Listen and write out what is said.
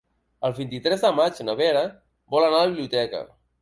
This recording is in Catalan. El vint-i-tres de maig na Vera vol anar a la biblioteca.